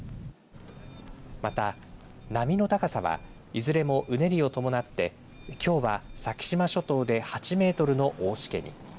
また、波の高さはいずれも、うねりを伴ってきょうは先島諸島で８メートルの大しけに。